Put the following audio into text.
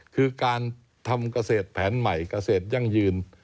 คือการทำเกษตรแผนใหม่เกษตรยั่งยืน